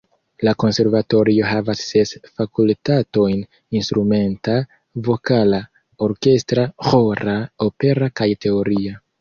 La konservatorio havas ses fakultatojn; instrumenta, vokala, orkestra, ĥora, opera kaj teoria.